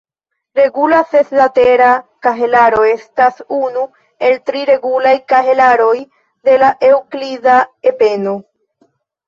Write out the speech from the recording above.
Regula seslatera kahelaro estas unu el tri regulaj kahelaroj de la eŭklida ebeno.